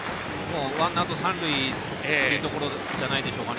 ワンアウト三塁というところじゃないでしょうか。